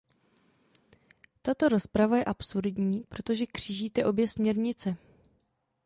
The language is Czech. Tato rozprava je absurdní, protože křížíte obě směrnice.